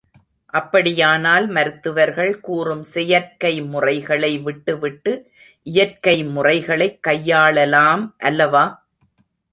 அப்படியானால் மருத்துவர்கள் கூறும் செயற்கை முறைகளை விட்டு விட்டு இயற்கை முறைகளைக் கையாளலாம் அல்லவா?